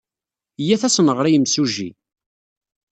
Iyyat ad as-nɣer i yimsujji.